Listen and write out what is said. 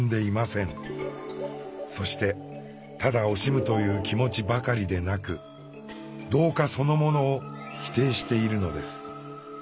そしてただ惜しむという気持ちばかりでなく「同化」そのものを否定しているのです。